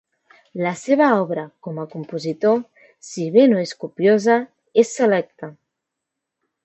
La seva obra com a compositor, si bé no és copiosa, és selecta.